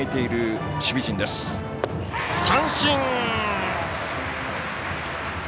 三振！